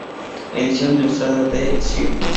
Edición ilustrada de Sci.